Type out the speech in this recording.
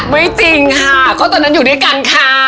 ไม่จริงค่ะก็ตอนนั้นอยู่ด้วยกันค่ะ